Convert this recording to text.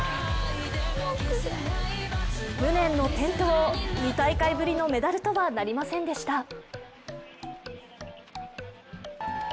無念の転倒、２大会ぶりのメダルとはなりませんでした。